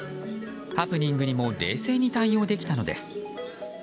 ハプニングにも冷静に対応できたのです。